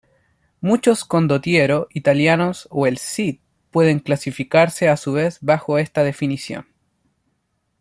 Muchos "condotiero" italianos o El Cid pueden clasificarse a su vez bajo esta definición.